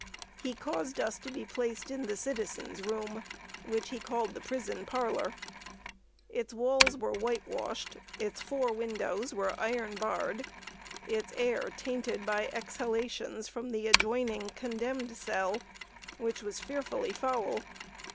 He caused us to be placed in the "Citizens' Room," which he called the prison parlor. Its walls were whitewashed, its four windows were iron barred, its air tainted by exhalations from the adjoining "Condemned Cell," which was fearfully foul.